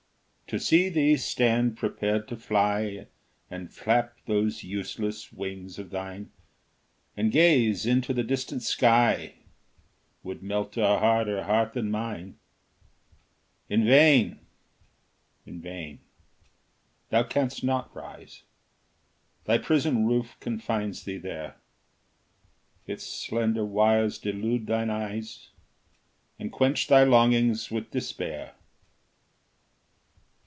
To see thee stand prepared to fly, And flap those useless wings of thine, And gaze into the distant sky, Would melt a harder heart than mine. In vain in vain! Thou canst not rise: Thy prison roof confines thee there; Its slender wires delude thine eyes, And quench thy longings with despair.